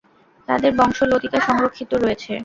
তাদের বংশ লতিকা সংরক্ষিত রয়েছে।